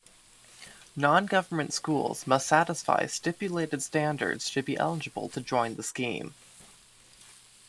Non-government schools must satisfy stipulated standards to be eligible to join the scheme.